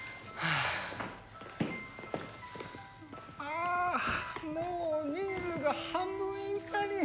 ああもう人数が半分以下に。